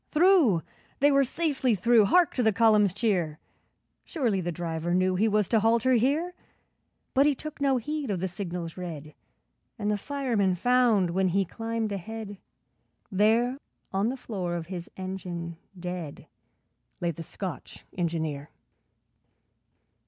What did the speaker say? Through! They were safely through! Hark to the column's cheer! Surely the driver knew He was to halt her here; But he took no heed of the signals red, And the fireman found, when he climbed ahead, There on the floor of his engine dead, Lay the Scotch Engineer!